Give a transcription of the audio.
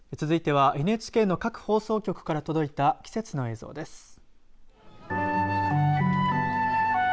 続いてはＮＨＫの各放送局から届いた季節の映像です。